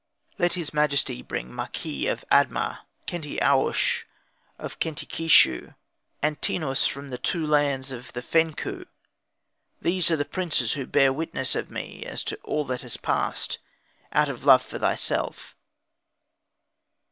"Then let his Majesty bring Maki of Adma, Kenti au ush of Khenti keshu, and Tenus from the two lands ol the Fenkhu; these are the princes who bear witness of me as to all that has passed, out of love for thyself.